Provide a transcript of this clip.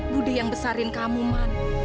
budde yang besarin kamu man